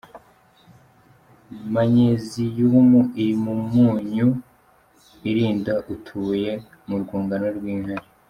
Manyeziyumu iri mu myunyu irinda utubuye mu rwungano rw’inkari.